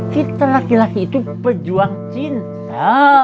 kita laki laki itu pejuang cinta